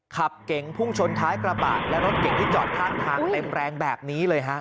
ขับเก่งพุ่งชนท้ายกระบะและรถเก่งที่จอดข้างทางเต็มแรงแบบนี้เลยฮะ